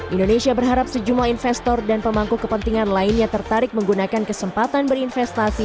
indonesia berharap sejumlah investor dan pemangku kepentingan lainnya tertarik menggunakan kesempatan berinvestasi